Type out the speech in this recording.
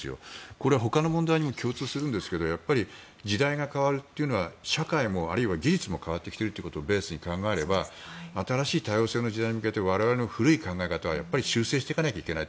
これ、ほかの問題にも共通するんですがやっぱり時代が変わるというのは社会も、あるいは技術も変わってきていることをベースに考えれば新しい多様性の時代に向けて我々の古い考え方は修正していかないといけない。